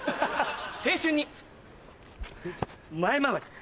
青春に前回り。